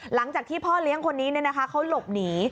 หลังจากที่พ่อเลี้ยงคนนี้เขาหลบหนี